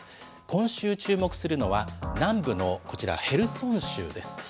今週注目するのは、南部のこちら、ヘルソン州です。